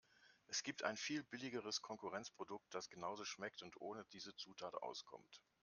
Es gibt ein viel billigeres Konkurrenzprodukt, das genauso schmeckt und ohne diese Zutat auskommt.